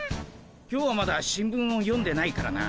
今日はまだ新聞を読んでないからな。